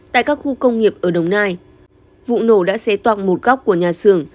tại các khu công nghiệp ở đồng nai vụ nổ đã xé toạc một góc của nhà xưởng